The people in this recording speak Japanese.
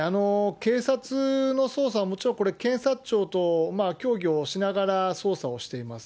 警察の捜査はもちろん、検察庁と協議をしながら捜査をしています。